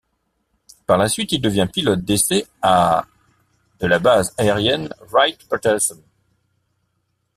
Par la suite, il devient pilote d'essai à l' de la base aérienne Wright-Patterson.